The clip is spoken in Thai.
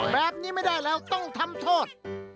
แบบนี้ไม่ได้แล้วต้องทำโทษ